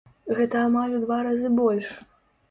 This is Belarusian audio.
Гэта амаль у два разы больш!